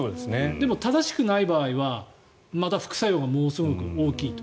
でも、正しくない場合はまた副作用がものすごく大きい。